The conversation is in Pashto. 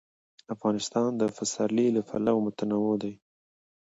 افغانستان د پسرلی له پلوه متنوع دی.